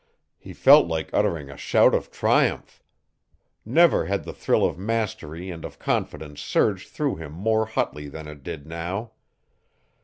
He felt like uttering a shout of triumph. Never had the thrill of mastery and of confidence surged through him more hotly than it did now.